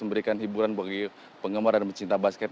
memberikan hiburan bagi penggemar dan pecinta basket